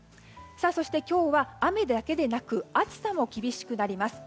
そして今日は雨だけでなく暑さも厳しくなります。